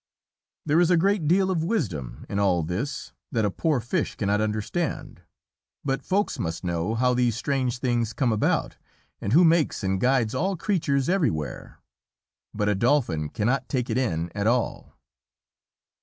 There is a great deal of wisdom in all this that a poor fish cannot understand, but Folks must know how these strange things come about, and who makes and guides all creatures everywhere. But a Dolphin cannot take it in at all.